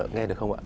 nghe được không ạ